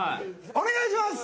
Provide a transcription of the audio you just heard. お願いします。